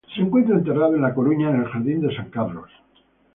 Se encuentra enterrado en La Coruña en el Jardín de San Carlos.